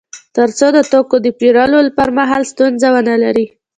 تر څو د توکو د پېرلو پر مهال ستونزه ونلري